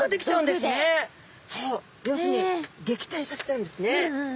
そう要するに撃退させちゃうんですね。